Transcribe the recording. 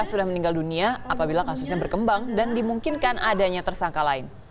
sudah meninggal dunia apabila kasusnya berkembang dan dimungkinkan adanya tersangka lain